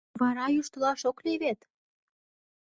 — Вара йӱштылаш ок лий вет!